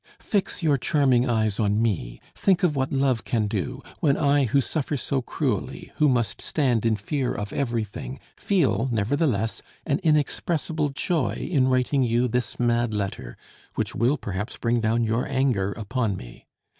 Fix your charming eyes on me; think of what love can do, when I who suffer so cruelly, who must stand in fear of every thing, feel, nevertheless, an inexpressible joy in writing you this mad letter, which will perhaps bring down your anger upon me.